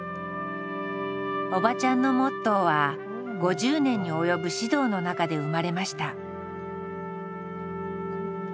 おばちゃんのモットーは５０年に及ぶ指導の中で生まれました。